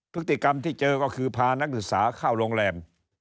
พฤติกรรมที่เจอก็คือพานักศึกษาเข้าโรงแรม